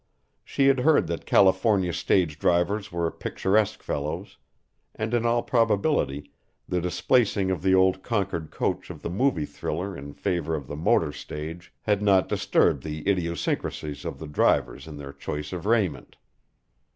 She had heard that California stage drivers were picturesque fellows, and in all probability the displacing of the old Concord coach of the movie thriller in favour of the motor stage had not disturbed the idiosyncrasies of the drivers in their choice of raiment.